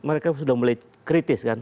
mereka sudah mulai kritis kan